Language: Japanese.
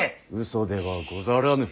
嘘ではござらぬ。